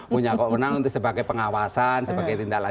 punya kok menang untuk sebagai pengawasan sebagai tindak lajar